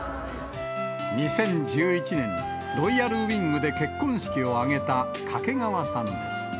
２０１１年、ロイヤルウイングで結婚式を挙げた掛川さんです。